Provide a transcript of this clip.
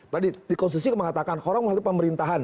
tadi di konstitusi mengatakan orang orang itu pemerintahan